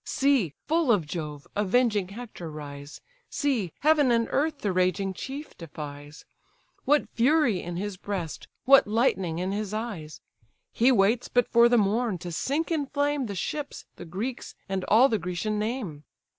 See, full of Jove, avenging Hector rise! See! heaven and earth the raging chief defies; What fury in his breast, what lightning in his eyes! He waits but for the morn, to sink in flame The ships, the Greeks, and all the Grecian name.